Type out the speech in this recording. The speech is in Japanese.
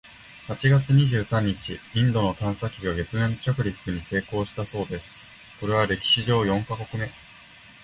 八月二十三日、インドの探査機が月面着陸に成功したそうです！（これは歴史上四カ国目！）